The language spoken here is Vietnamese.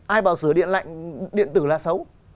ai bảo sửa điện lạnh điện tử là xấu